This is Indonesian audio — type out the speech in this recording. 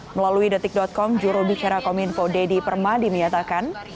melalui detik com jurubicara kominfo deddy permah diminyatakan